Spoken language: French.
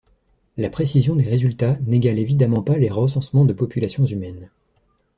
La précision des résultats n'égale évidemment pas les recensements de populations humaines.